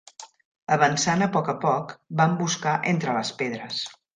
Avançant a poc a poc, van buscar entre les pedres.